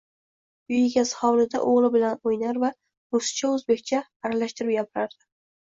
Uy egasi hovlida oʻgʻli bilan oʻynar va ruscha-oʻzbekcha aralashtirib gapirardi.